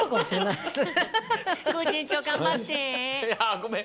ごめん。